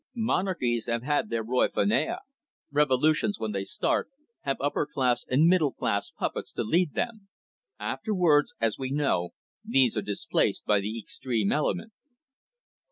Monarchies have had their rois faineants. Revolutions when they start have upper class and middle class puppets to lead them. Afterwards, as we know, these are displaced by the extreme element."